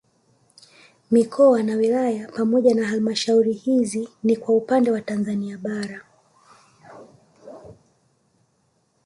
Mikoa na wilaya pamoja na halmashauri hizi ni kwa upande wa Tanzania bara